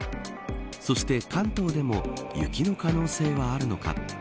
そして、関東でも雪の可能性はあるのか。